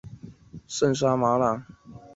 群岛海是波罗的海的一部份。